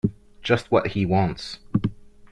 Just what he wants.